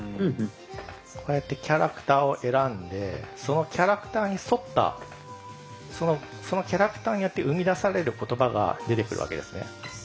こうやってキャラクターを選んでそのキャラクターに沿ったそのキャラクターによって生み出される言葉が出てくるわけですね。